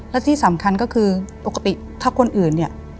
และที่สำคัญก็คือปกติถ้าคนอื่นเนี่ย